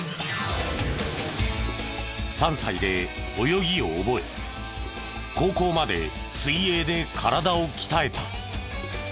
３歳で泳ぎを覚え高校まで水泳で体を鍛えた。